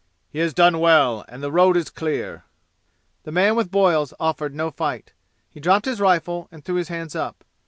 "He has done well, and the road is clear!" The man with boils offered no fight. He dropped his rifle and threw his hands up.